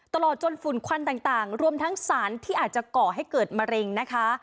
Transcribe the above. ตลอดจนฝุ่นควันต่างรวมทั้งสารที่อาจจะก่อให้เกิดมะเร็งนะคะ